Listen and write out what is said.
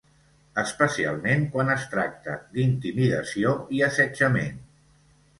Especialment quan es tracta d'intimidació i assetjament.